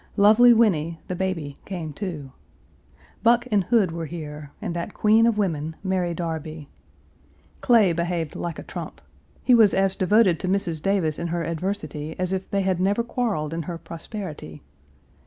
Lovely Winnie, the baby, came, too. Buck and Hood were here, and that queen of women, Mary Darby. Clay behaved like a trump. He was as devoted to Mrs. Davis in her adversity as if they had never quarreled in her prosperity.